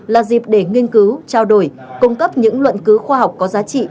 là dịp để nghiên cứu trao đổi cung cấp những luận cứu khoa học có giá trị